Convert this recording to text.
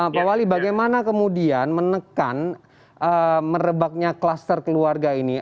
pak wali bagaimana kemudian menekan merebaknya kluster keluarga ini